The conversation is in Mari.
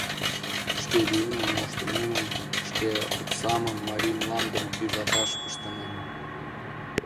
Шке виемым-моштымемым, шке оксамым марий мландым тӱзаташ пыштынем...